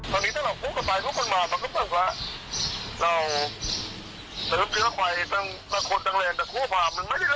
ผมรีบคอยอย่างโรงแรงผมไม่ใช่ลูกผู้ถ่าย